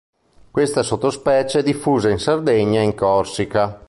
Questa sottospecie è diffusa in Sardegna e in Corsica.